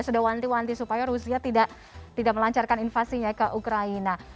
sudah wanti wanti supaya rusia tidak melancarkan invasinya ke ukraina